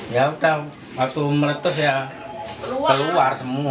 ya udah waktu meletus ya keluar semua